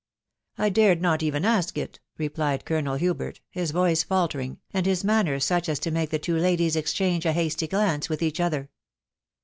" I dared not even a6k it," replied Colonel Hubert, bis voice faltering, and his manner such as to make the two ladies ex change a hasty glance with each other.